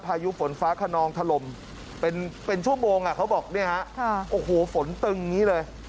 พายุฝนฟ้าขนองถล่มเป็นชั่วโมงเขาบอกเนี่ยฮะโอ้โหฝนตึงอย่างนี้เลย